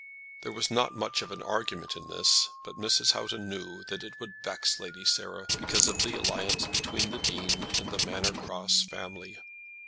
There was not much of an argument in this, but Mrs. Houghton knew that it would vex Lady Sarah, because of the alliance between the Dean and the Manor Cross family.